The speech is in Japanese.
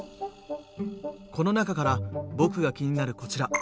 この中から僕が気になるこちら。